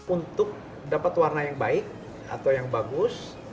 untuk dapat warna yang baik atau yang bagus